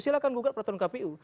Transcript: silahkan gugat peraturan pkpu